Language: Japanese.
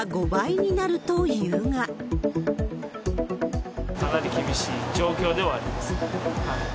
かなり厳しい状況ではあります。